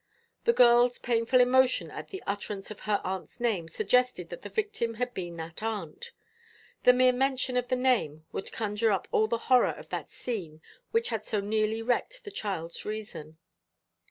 The girl's painful emotion at the utterance of her aunt's name suggested that the victim had been that aunt. The mere mention of the name would conjure up all the horror of that scene which had so nearly wrecked the child's reason.